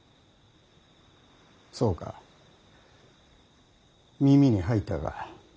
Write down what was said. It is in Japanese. そうか耳に入ったか。